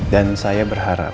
dan saya berharap